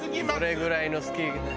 どれぐらいの好き。